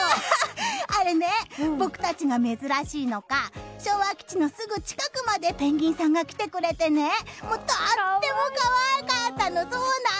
あれね、僕たちが珍しいのか昭和基地のすぐ近くまでペンギンさんが来てくれてねとっても可愛かったの！